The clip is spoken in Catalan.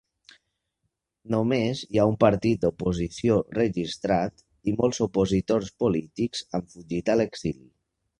Només hi ha un partit d'oposició registrat i molts opositors polítics han fugit a l'exili.